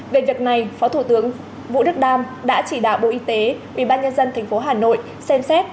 về việc này phó thủ tướng vũ đức đam đã chỉ đạo bộ y tế ủy ban nhân dân tp hà nội xem xét